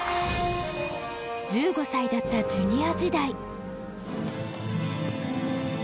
１５歳だったジュニア時代。